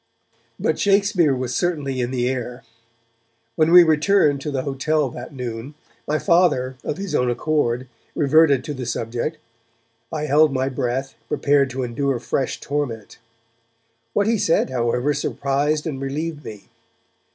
But Shakespeare was certainly in the air. When we returned to the hotel that noon, my Father of his own accord reverted to the subject. I held my breath, prepared to endure fresh torment. What he said, however, surprised and relieved me.